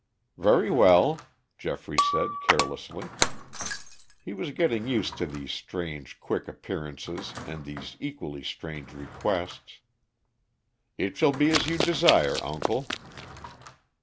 "Very well," Geoffrey said carelessly. He was getting used to these strange quick appearances and these equally strange requests. "It shall be as you desire, uncle."